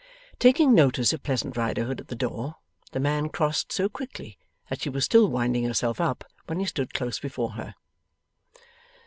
Taking notice of Pleasant Riderhood at the door, the man crossed so quickly that she was still winding herself up, when he stood close before her.